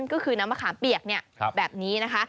ก็คือน้ำมะขามเปียกแบบนี้นะคะ